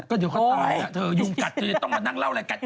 ก็เดี๋ยวเขาตายอ่ะเธอยุ่งกัดเธอจะต้องมานั่งเล่าอะไรกัน